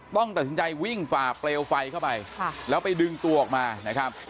ต้องตัดสินใจวิ่งฝ่าเปลวไฟเข้าไปแล้วไปดึงตัวออกมานะครับ